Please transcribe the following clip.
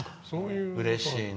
うれしいね。